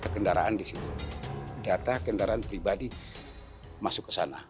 kendaraan di situ data kendaraan pribadi masuk ke sana